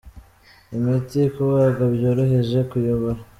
imiti, kubaga byoroheje, kuyobora.